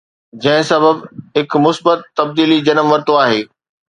جنهن سبب هڪ مثبت تبديلي جنم ورتو آهي